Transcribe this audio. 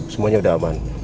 semuanya udah aman